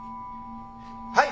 はい。